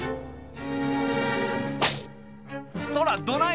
そらどないだ！